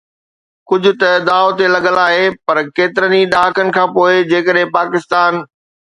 ڪجهه ته داءُ تي لڳل آهي پر ڪيترن ئي ڏهاڪن کانپوءِ جيڪڏهن پاڪستان